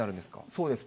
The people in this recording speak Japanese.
そうです。